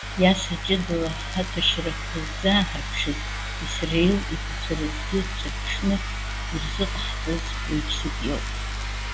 Иаса, ҷыдала ҳаҭәашьарақәа ззааҳарԥшыз, Исраил иԥацәа рызгьы дҿырԥшны ирзыҟаҳҵаз уаҩԥсык иоуп.